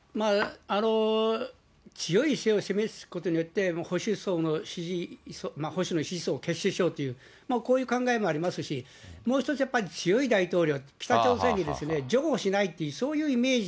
強い姿勢を示すことによってもう保守層の支持層を結集しようという、こういう考えもありますし、もう一つやっぱり、強い大統領、北朝鮮に譲歩しないというそういうイメージ。